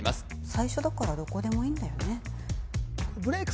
最初だからどこでもいいんだよね